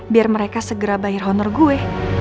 biar mereka segera bayar honor gue